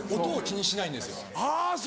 音を気にしないんですよ。